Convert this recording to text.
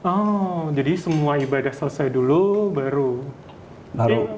oh jadi semua ibadah selesai dulu baru